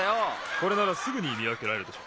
これならすぐにみわけられるでしょ。